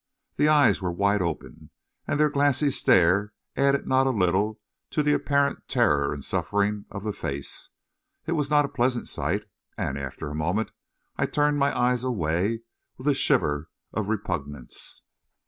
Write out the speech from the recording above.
The eyes were wide open, and their glassy stare added not a little to the apparent terror and suffering of the face. It was not a pleasant sight, and after a moment, I turned my eyes away with a shiver of repugnance.